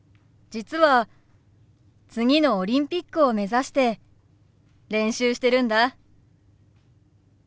実は次のオリンピックを目指して練習してるんだ。